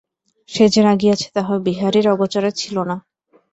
সে যে রাগিয়াছে, তাহা বিহারীর আগোচর ছিল না।